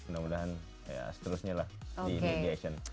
mudah mudahan ya seterusnya lah di media